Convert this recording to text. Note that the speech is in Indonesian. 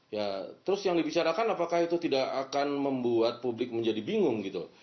ya terus yang dibicarakan apakah itu tidak akan membuat publik menjadi bingung gitu